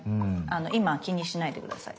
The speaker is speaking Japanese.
今は気にしないで下さい。